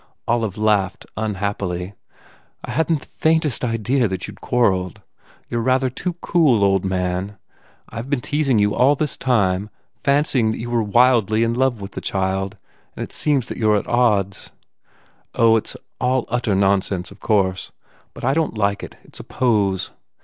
I " Olive laughed unhappily, "I hadn t the faintest idea that you d quarrelled. You re rather too cool, old man. I ve been teasing you all this time fancying that you were wildly in love with the child and it seems that you re at odds. Oh, It s all utter nonsense, of course! But I don t like it. It s a pose.